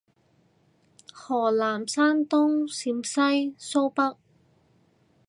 河南山東陝西蘇北